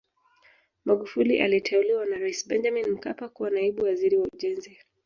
Magufuli aliteuliwa na Rais Benjamin Mkapa kuwa naibu waziri wa ujenzi